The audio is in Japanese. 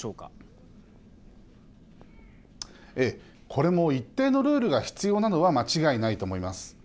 これも一定のルールが必要なのは間違いないと思います。